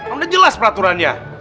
udah jelas peraturannya